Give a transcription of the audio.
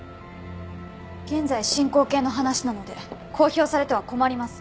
現在進行形の話なので公表されては困ります。